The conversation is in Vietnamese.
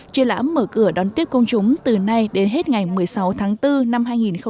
triển lãm mở cửa đón tiếp công chúng từ nay đến hết ngày một mươi sáu tháng bốn năm hai nghìn hai mươi